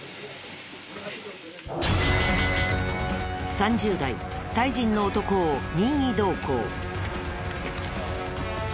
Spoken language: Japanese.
３０代タイ人の男を任意同行。